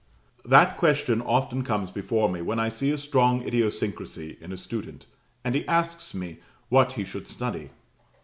That question often comes before me when I see a strong idiosyncrasy in a student, and he asks me what he should study.